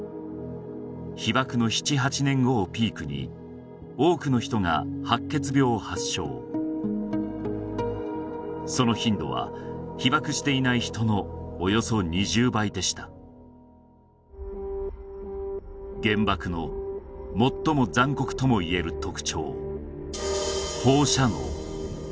被爆の７８年後をピークに多くの人が白血病を発症その頻度は被爆していない人のおよそ２０倍でした原爆の最も残酷ともいえる特徴放射能